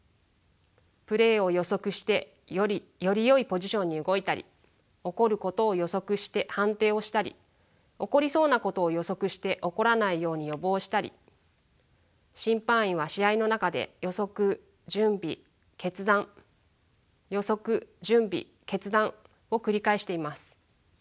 プレーを予測してよりよいポジションに動いたり起こることを予測して判定をしたり起こりそうなことを予測して起こらないように予防したり審判員は試合の中で予測準備決断予測準備決断を繰り返しています。